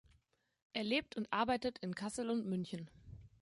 Er lebt und arbeitet in Kassel und München.